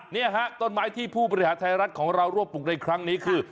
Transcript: นี่ฮะต้นไม้ที่ผู้บริหารไทยรัฐของเรารวบปลูกในครั้งนี้คือ